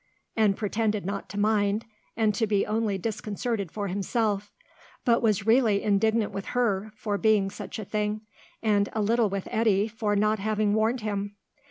and pretended not to mind, and to be only disconcerted for himself, but was really indignant with her for being such a thing, and a little with Eddy for not having warned him.